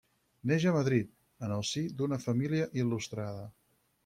Neix a Madrid, en el si d'una família il·lustrada.